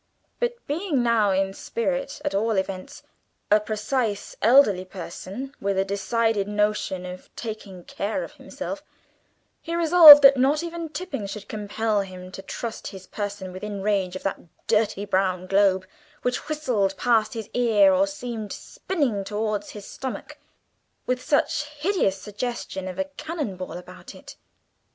But being now, in spirit at all events, a precise elderly person, with a decided notion of taking care of himself, he was resolved that not even Tipping should compel him to trust his person within range of that dirty brown globe, which whistled past his ear or seemed spinning towards his stomach with such a hideous suggestion of a cannon ball about it.